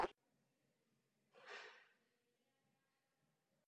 Rodina se ještě několikrát stěhovala.